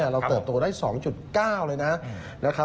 เราเติบโตได้๒๙เลยนะ